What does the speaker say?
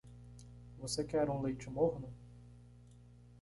Você quer um leite morno?